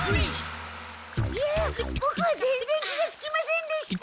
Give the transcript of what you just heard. いやボクはぜんぜん気がつきませんでした。